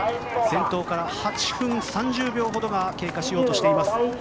先頭から８分３０秒ほどが経過しようとしています。